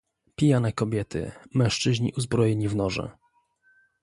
"Pijane kobiety, mężczyźni uzbrojeni w noże."